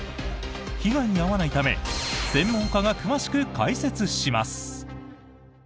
被害に遭わないため専門家が詳しく解説します。